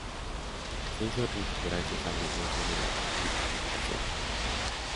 Se hizo rico gracias al negocio de las telecomunicaciones.